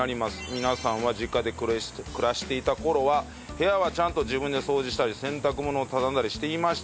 皆さんは実家で暮らしていた頃は部屋はちゃんと自分で掃除したり洗濯物を畳んだりしていましたか？